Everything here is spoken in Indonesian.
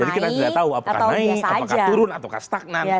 jadi kita tidak tahu apakah naik atau biasa saja